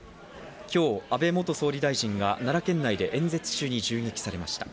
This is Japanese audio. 今日、安倍元総理大臣が奈良県内で演説中に銃撃されました。